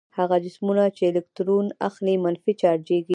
هغه جسمونه چې الکترون اخلي منفي چارجیږي.